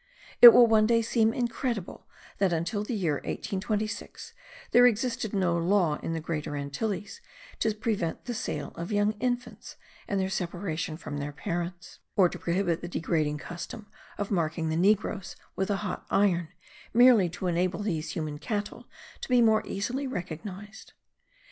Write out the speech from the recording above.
It will one day seem incredible that until the year 1826 there existed no law in the Great Antilles to prevent the sale of young infants and their separation from their parents, or to prohibit the degrading custom of marking the negroes with a hot iron, merely to enable these human cattle to be more easily recognized.